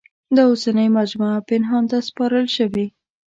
دا اوسنۍ مجموعه پنهان ته سپارل شوې.